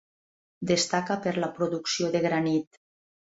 Destaca per la producció de granit.